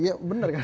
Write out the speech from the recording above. iya bener kan